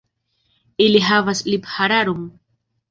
Ili havas liphararon.